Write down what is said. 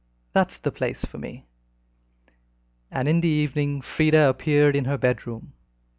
That's the place for me!" and in the evening Frieda appeared in her bedroom.